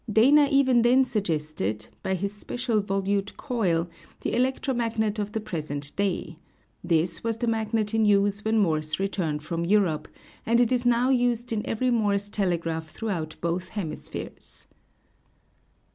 Dana even then suggested, by his spiral volute coil, the electro magnet of the present day; this was the magnet in use when Morse returned from Europe, and it is now used in every Morse telegraph throughout both hemispheres.